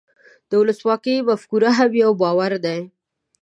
د ولسواکۍ مفکوره هم یو باور دی.